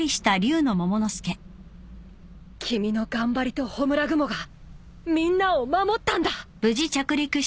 君の頑張りと焔雲がみんなを守ったんだ。